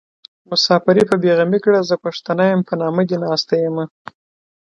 مساپري په بې غمي کړه زه پښتنه يم په نامه دې ناسته يمه